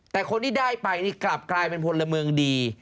แต่คนที่ได้ไปนี่กลับกลายเป็นพลเมืองดี